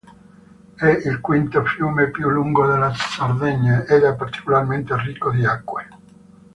È il quinto fiume più lungo della Sardegna ed è particolarmente ricco di acque.